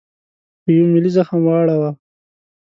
په یوه ملي زخم واړاوه.